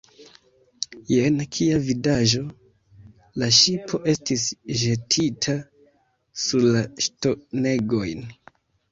Jen, kia vidaĵo! La ŝipo estis ĵetita sur la ŝtonegojn.